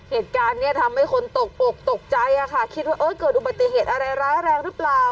เหตุการณ์นี้ทำให้คนตกอกตกใจค่ะคิดว่าเกิดอุบัติเหตุอะไรร้ายแรงหรือเปล่า